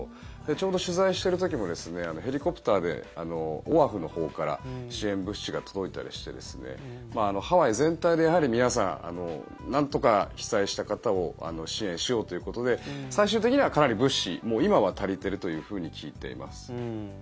ちょうど取材してる時もヘリコプターでオアフのほうから支援物資が届いたりしてハワイ全体で皆さん、なんとか被災した方を支援しようということで最終的には、かなり物資今は足りてるというふうに聞いています。